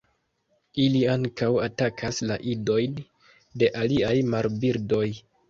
Ili ankaŭ atakas la idojn de aliaj marbirdoj.